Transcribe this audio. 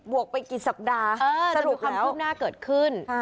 วกไปกี่สัปดาห์สรุปความคืบหน้าเกิดขึ้น